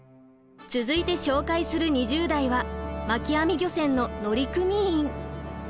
続いて紹介する２０代は巻き網漁船の乗組員。